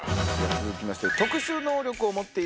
続きまして。